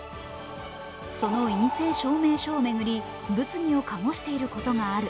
その陰性証明書を巡り物議を醸していることがある。